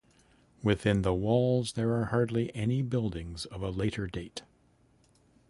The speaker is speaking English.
Within the walls there are hardly any buildings of a later date.